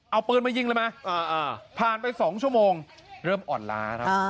เอาปืนมายิงเลยไหมผ่านไป๒ชั่วโมงเริ่มอ่อนล้าครับ